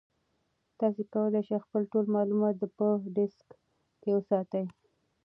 تاسي کولای شئ خپل ټول معلومات په ډیسک کې وساتئ.